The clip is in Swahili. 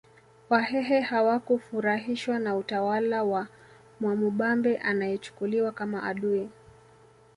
Wahehe hawakufurahishwa na utawala wa Mwamubambe anayechukuliwa kama adui